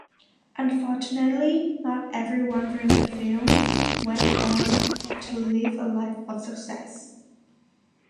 Unfortunately, not everyone from the film went on to live a life of success.